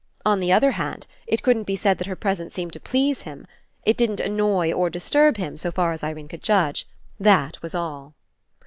On the other hand, it couldn't be said that her presence seemed to please him. It didn't annoy or disturb him, so far as Irene could judge. That was all.